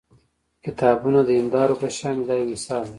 کتابونه د هیندارو په شان دي دا یو مثال دی.